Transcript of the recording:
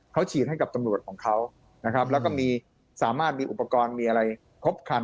เขาฉีดให้กับตำรวจของเขานะครับแล้วก็มีสามารถมีอุปกรณ์มีอะไรครบคัน